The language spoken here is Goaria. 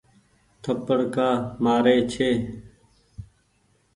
ٿپڙ ڪآ مآ ري ۔